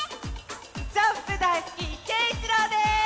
ジャンプだいすきけいいちろうです！